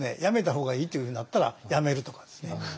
やめた方がいいっていうふうになったらやめるとかですね。